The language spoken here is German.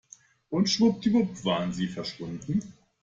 Und schwuppdiwupp waren sie verschwunden.